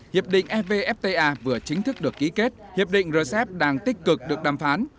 hiệp định evfta vừa chính thức được ký kết hiệp định rcep đang tích cực được đàm phán